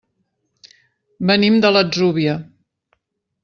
Venim de l'Atzúvia.